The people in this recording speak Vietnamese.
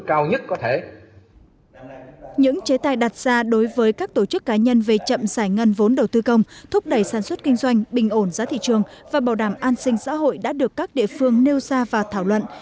những chế tài đặt ra đối với các tổ chức cá nhân về chậm giải ngân vốn đầu tư công thúc đẩy sản xuất kinh doanh bình ổn giá thị trường và bảo đảm an sinh xã hội đã được các địa phương nêu ra và thảo luận